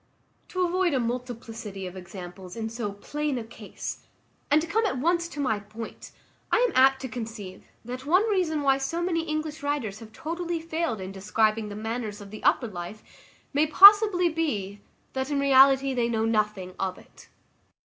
To avoid a multiplicity of examples in so plain a case, and to come at once to my point, I am apt to conceive, that one reason why many English writers have totally failed in describing the manners of upper life, may possibly be, that in reality they know nothing of it.